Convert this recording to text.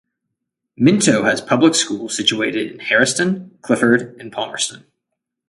Minto has public schools situated in Harriston, Clifford and Palmerston.